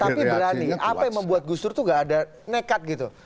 tapi berani apa yang membuat gus dur itu gak ada nekat gitu